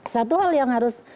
satu hal yang harus